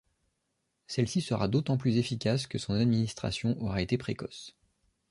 Celle-ci sera d'autant plus efficace que son administration aura été précoce.